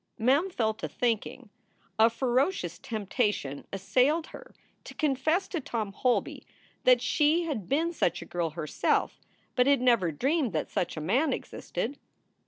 Mem fell to thinking. A ferocious temptation assailed her to confess to Tom Holby that she had been such a girl herself, but had never dreamed that such a man existed.